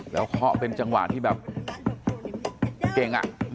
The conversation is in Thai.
แล้วข้อเป็นจังหวะที่แบบเก่งอ่ะ